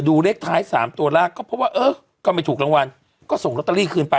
เลขท้าย๓ตัวแรกก็เพราะว่าเออก็ไม่ถูกรางวัลก็ส่งลอตเตอรี่คืนไป